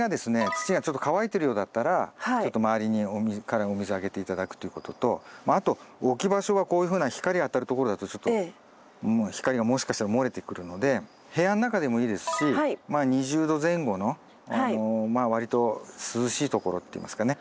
土がちょっと乾いてるようだったらちょっと周りからお水あげて頂くということとあと置き場所はこういうふうな光当たるところだとちょっと光がもしかしたら漏れてくるので部屋の中でもいいですしまあ２０℃前後のまあ割と涼しいところっていいますかね。